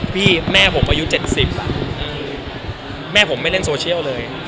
พี่แม่ผมอายุเจ็ดสิบอ่ะแม่ผมไม่เล่นโซเชียลเลย